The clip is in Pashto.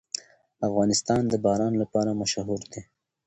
افغانستان د باران لپاره مشهور دی.